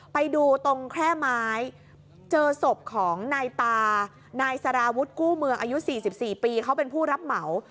ไปดูตรงแค่ไม้เจอศพของนายตานายสารวุฒิกู้เมืองอายุ๔๔ปีเขาเป็นผู้รับเหมา